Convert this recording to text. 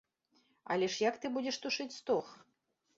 Але ж як ты будзеш тушыць стог?